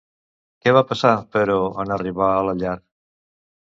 Què va passar, però, en arribar a la llar?